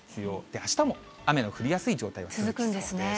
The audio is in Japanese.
あしたも雨の降りやすい状態が続きそうです。